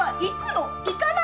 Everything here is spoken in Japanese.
行かないの？